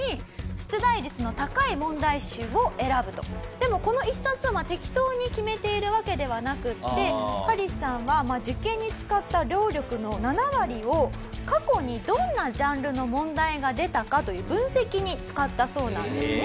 でもこの１冊適当に決めているわけではなくてカリスさんは受験に使った労力の７割を過去にどんなジャンルの問題が出たかという分析に使ったそうなんですね。